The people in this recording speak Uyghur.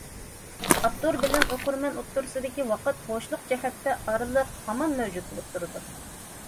ئاپتور بىلەن ئوقۇرمەن ئوتتۇرىسىدىكى ۋاقىت بوشلۇق جەھەتتە ئارىلىق ھامان مەۋجۇت بولۇپ تۇرىدۇ.